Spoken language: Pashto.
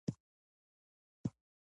د غنمو حاصلات په خروارونو موجود وي